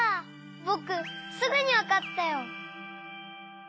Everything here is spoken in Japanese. ぼくすぐにわかったよ！